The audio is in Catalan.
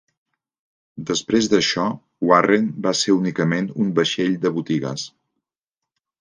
Després d'això, "Warren" va ser únicament un vaixell de botigues.